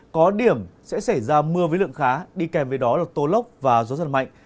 có điểm sẽ xảy ra mưa với lượng khá đi kèm với đó là tô lốc và gió giật mạnh